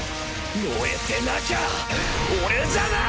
燃えてなきゃ俺じゃない！